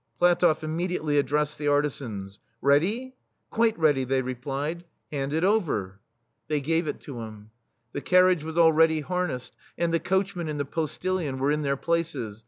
" PlatofF immediately addressed the artisans :" Ready ?" "Quite ready, they replied. " Hand it over." THE STEEL FLEA They gave it to him. The carriage was already harnessed, and the coachman and the postillion were in their places.